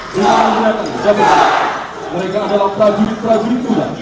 dan menjelaskan dabesu mereka adalah prajurit prajurit muda